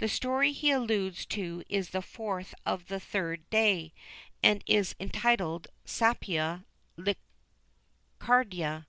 The story he alludes to is the fourth of the third day, and is entitled Sapia Liccarda.